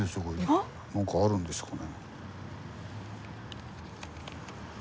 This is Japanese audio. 何かあるんでしょうかね？